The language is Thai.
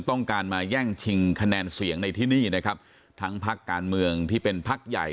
ต้องการมาแย่งชิงคะแนนเสียงในที่นี่นะครับทั้งพักการเมืองที่เป็นพักใหญ่